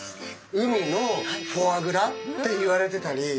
海のフォアグラっていわれてたり。